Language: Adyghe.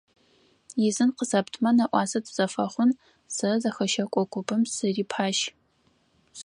Изын къысэптымэ нэӏуасэ тызэфэхъун, сэ зэхэщэкӏо купым сырипащ.